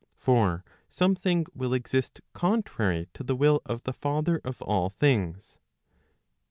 For some¬ thing will exist contrary to the will of the father of all things.